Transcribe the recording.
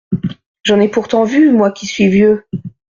J’en ai pourtant vu, moi qui suis vieux !